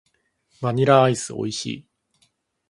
バニラアイス美味しい。